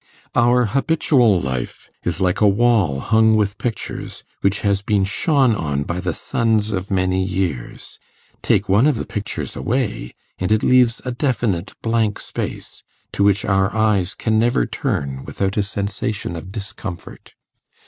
Our habitual life is like a wall hung with pictures, which has been shone on by the suns of many years: take one of the pictures away, and it leaves a definite blank space, to which our eyes can never turn without a sensation of discomfort.